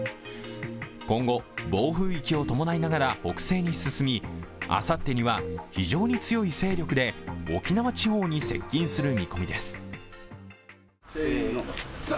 今後、暴風域を伴いながら北西に進みあさってには非常に強い勢力で沖縄地方に接近する見込みです。